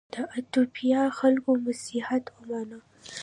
د ایتوپیا خلکو مسیحیت ومانه.